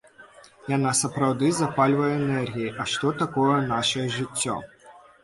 Яна сапраўды запальвае энергіяй, а што такое нашае жыццё?